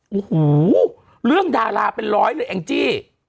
โอ้โหเรื่องดาราเป็นร้อยเลยแองจี้